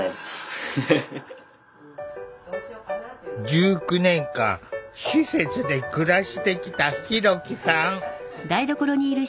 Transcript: １９年間施設で暮らしてきたひろきさん。